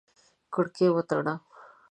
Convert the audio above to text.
کړکۍ وتړه!